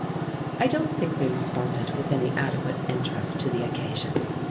I don't think we responded with any adequate interest to the occasion.